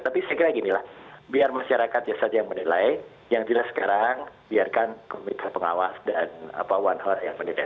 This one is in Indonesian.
tapi saya kira ginilah biar masyarakat yang menilai yang jelas sekarang biarkan pemerintah pengawas dan wanha yang menilai